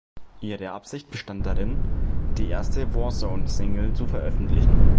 Ihre Absicht bestand darin, die erste Warzone-Single zu veröffentlichen.